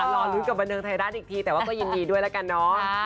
รอลุ้นกับบันเทิงไทยรัฐอีกทีแต่ว่าก็ยินดีด้วยแล้วกันเนาะ